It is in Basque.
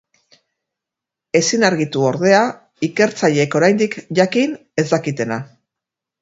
Ezin argitu, ordea, ikertzaileek oraindik, jakin, ez dakitena.